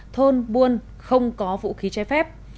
thôn buôn không có vũ khí chế phép